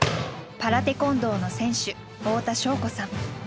パラテコンドーの選手太田渉子さん。